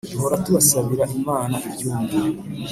duhora tubasabira imana ibyumve